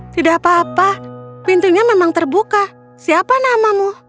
tidak apa apa pintunya memang terbuka siapa namamu